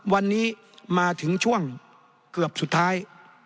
วันนี้มาถึงช่วงเกือบสุดท้าย